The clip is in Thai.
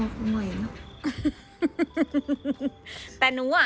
กินกัน